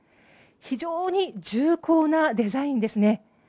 非常に重厚なデザインですね。